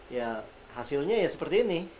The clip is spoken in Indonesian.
ya hasilnya ya seperti ini